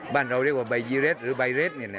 บ้านเราเรียกว่าใบยิเล็ตหรือใบเล็ต